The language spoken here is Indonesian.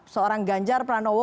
seorang ganjar pranowo